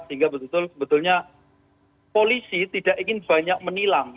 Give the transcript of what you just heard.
sehingga sebetulnya polisi tidak ingin banyak menilang